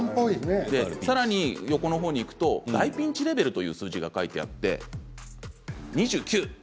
さらに横には大ピンチレベルという数字が書いてあって２９。